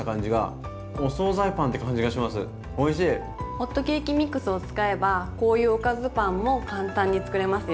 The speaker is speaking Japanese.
ホットケーキミックスを使えばこういうおかずパンも簡単に作れますよ。